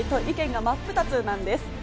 意見が真っ二つなんです。